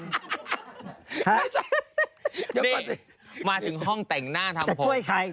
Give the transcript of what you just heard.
นี่มาถึงห้องแต่งหน้าทำโพส